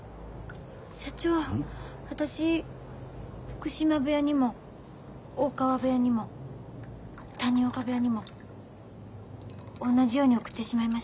社長私福島部屋にも大川部屋にも谷岡部屋にも同じように送ってしまいました。